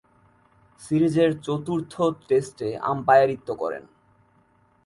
সিরিজের চতুর্থ টেস্টে আম্পায়ারিত্ব করেন।